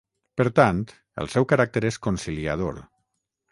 Per tant, el seu caràcter és conciliador.